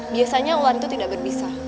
biasanya uang itu tidak berbisa